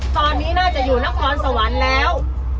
ตอนนี้น่าจะอยู่นครสวรรค์แล้ว